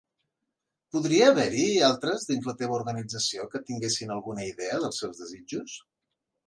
Podria haver-hi altres dins la teva organització que tinguessin alguna idea dels seus desitjos?